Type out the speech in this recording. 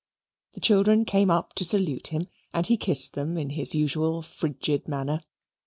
The children came up to salute him, and he kissed them in his usual frigid manner.